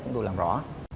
chúng tôi làm rõ